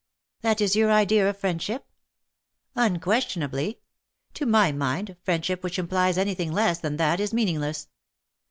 ''^' That is your idea of friendship ?"'' Unquestionably. To my mind, friendship which implies anything less than that is meaning less.